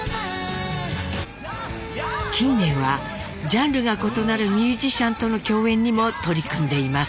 近年はジャンルが異なるミュージシャンとの共演にも取り組んでいます。